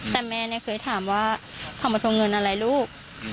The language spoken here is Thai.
แต่แม่เนี่ยเคยถามว่าเขามาทวงเงินอะไรลูก